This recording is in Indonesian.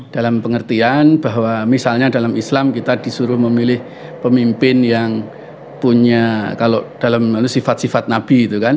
dalam pengertian bahwa misalnya dalam islam kita disuruh memilih pemimpin yang punya sifat sifat nabi